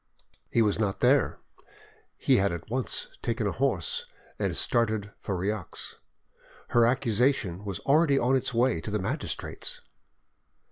He was not there: he had at once taken a horse and started for Rieux. Her accusation was already on its way to the magistrates!